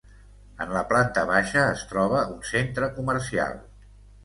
En la planta baixa es troba un centre comercial.